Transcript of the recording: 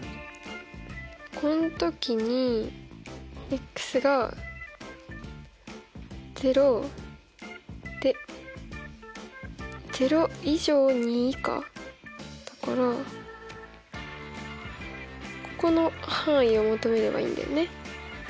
このときにが０で０以上２以下だからここの範囲を求めればいいんだよね。